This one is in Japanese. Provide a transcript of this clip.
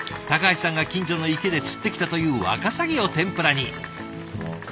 高橋さんが近所の池で釣ってきたというワカサギを天ぷらに。